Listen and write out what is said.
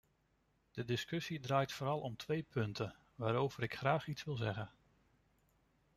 De discussie draait vooral om twee punten, waarover ik graag iets wil zeggen.